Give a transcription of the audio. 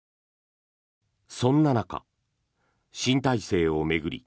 そんな中、新体制を巡り